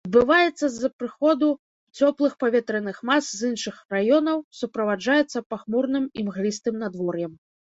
Адбываецца з-за прыходу цёплых паветраных мас з іншых раёнаў, суправаджаецца пахмурным імглістым надвор'ем.